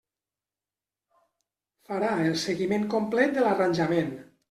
Farà el seguiment complet de l'arranjament.